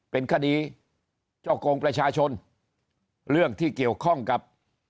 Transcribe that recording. เป็นคดีเจ้าโกงประชาชนเรื่องที่เกี่ยวข้องกับ